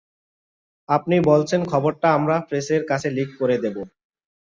আপনি বলছেন খবরটা আমরা প্রেসের কাছে লিক করে দেব?